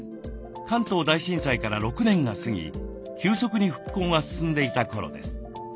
関東大震災から６年が過ぎ急速に復興が進んでいた頃です。